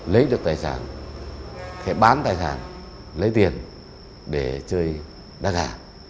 lấy được tài sản bán tài sản lấy tiền để chơi đá gà